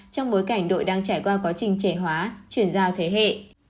trong bối cảnh đội đang trải qua quá trình trẻ hóa chuyển giao thế hệ